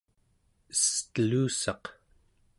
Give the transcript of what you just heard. estelussaq